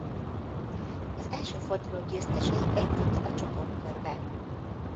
Az első forduló győztesei bejutottak a csoportkörbe.